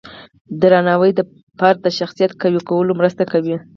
درناوی د فرد د شخصیت قوی کولو کې مرسته کوي.